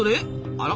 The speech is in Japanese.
あら？